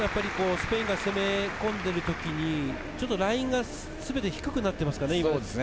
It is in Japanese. スペインが攻め込んでいる時にラインが全て低くなっていますね。